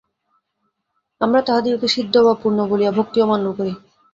আমরা তাঁহাদিগকে সিদ্ধ বা পূর্ণ বলিয়া ভক্তি ও মান্য করি।